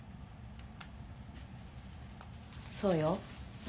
そうよ。